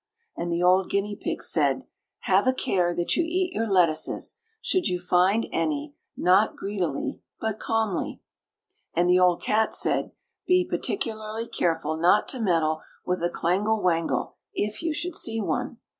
And the old guinea pigs said: "Have a care that you eat your lettuces, should you find any, not greedily, but calmly." And the old cats said: "Be particularly careful not to meddle with a clangle wangle if you should see one."